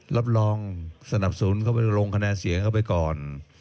รับรองสนับสนุนเข้าไปลงคะแนนเสียงเข้าไปก่อน